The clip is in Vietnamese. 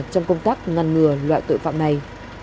trong công tác ngăn ngừa loại tội phạm này